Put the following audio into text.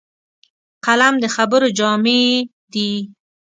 قلم د خبرو جامې دي